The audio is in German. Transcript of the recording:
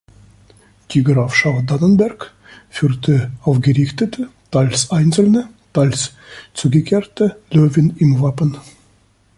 Die Grafschaft Dannenberg führte aufgerichtete teils einzelne, teils zugekehrte Löwen im Wappen.